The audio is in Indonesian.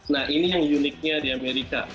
nah ini yang uniknya di amerika